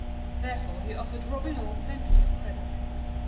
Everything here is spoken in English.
Therefore he offered Robineau plenty of credit.